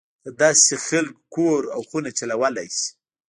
دداسې خلک کور او خونه چلولای شي.